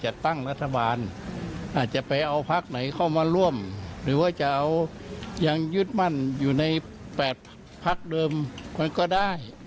โดยส่วนตัวแล้วไม่ติดใจค่ะ